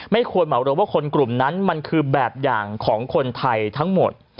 ควรเหมารวมว่าคนกลุ่มนั้นมันคือแบบอย่างของคนไทยทั้งหมด